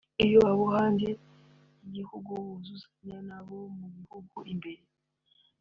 iyo abo hanze y’igihugu buzuzanya n’abo mu gihugu imbere